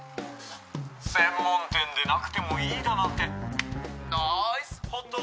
専門店でなくてもいいだなんてナイスホット！